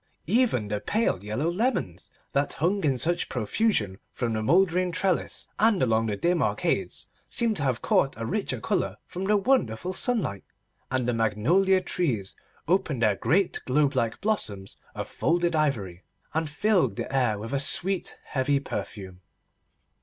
Even the pale yellow lemons, that hung in such profusion from the mouldering trellis and along the dim arcades, seemed to have caught a richer colour from the wonderful sunlight, and the magnolia trees opened their great globe like blossoms of folded ivory, and filled the air with a sweet heavy perfume.